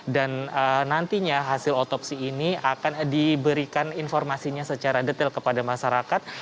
dan nantinya hasil otopsi ini akan diberikan informasinya secara detail kepada masyarakat